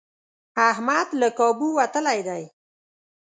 احمد له کابو وتلی دی.